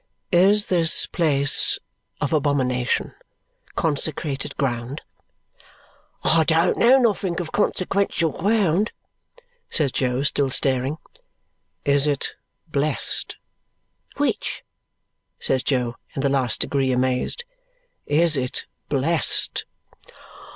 "Is this place of abomination consecrated ground?" "I don't know nothink of consequential ground," says Jo, still staring. "Is it blessed?" "Which?" says Jo, in the last degree amazed. "Is it blessed?"